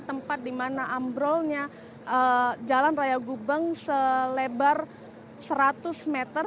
tempat di mana ambrolnya jalan raya gubeng selebar seratus meter